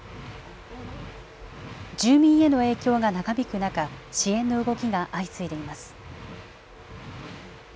住民への影響が長引く中、支援の動きが相次いでいます。